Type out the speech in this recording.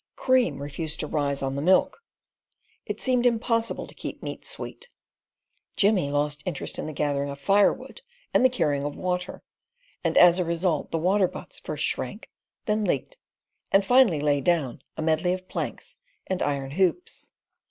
Cream refused to rise on the milk. It seemed impossible to keep meat sweet. Jimmy lost interest in the gathering of firewood and the carrying of water; and as a result, the waterbutts first shrank, then leaked, and finally lay down, a medley of planks and iron hoops.